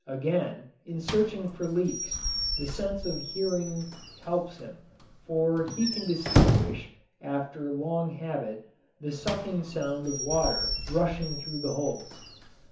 Again, in searching for leaks, the sense of hearing helps him, for he can distinguish (after long habit) the sucking sound of water rushing through the holes.